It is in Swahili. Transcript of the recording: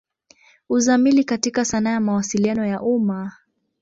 Uzamili katika sanaa ya Mawasiliano ya umma.